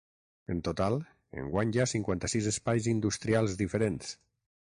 En total, enguany hi ha cinquanta-sis espais industrials diferents.